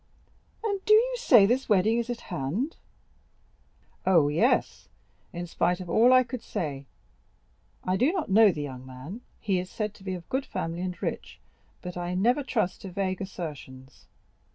"And do you say this wedding is at hand?" "Oh, yes, in spite of all I could say. I do not know the young man; he is said to be of good family and rich, but I never trust to vague assertions.